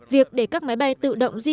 việc để các máy bay tự động di chuyển ở gần